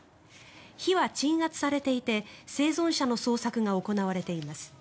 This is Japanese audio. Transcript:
火は鎮圧されていて生存者の捜索が行われています。